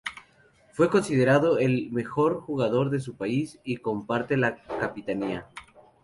Fue considerado el mejor jugador de su país y comparte la capitanía.